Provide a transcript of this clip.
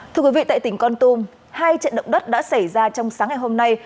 thưa quý vị tại tỉnh con tum hai trận động đất đã xảy ra trong sáng ngày hôm nay